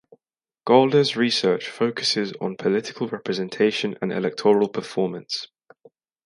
Golders research focuses on political representation and electoral performance.